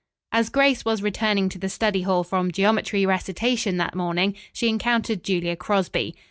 As Grace was returning to the study hall from geometry recitation that morning, she encountered Julia Crosby.